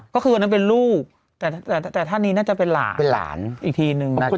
ก็คือวันนั้นเป็นลูกแต่ท่านนี้น่าจะเป็นหลานเป็นหลานอีกทีนึงนะครับ